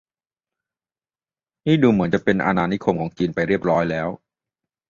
นี่ดูเหมือนจะเป็นอาณานิคมจีนไปเรียบร้อยแล้ว